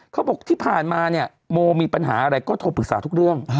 เขาบอกที่ผ่านมาเนี่ยโมมีปัญหาอะไรก็โทรปรึกษาทุกเรื่อง